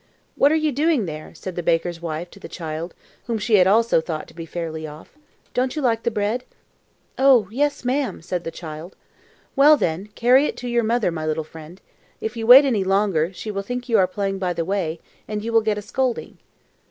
"What are you doing there?" said the baker's wife to the child, whom she also had thought to be fairly off. "Don't you like the bread?" "Oh, yes, ma'am!" said the child. "Well, then, carry it to your mother, my little friend. If you wait any longer, she will think you are playing by the way, and you will get a scolding."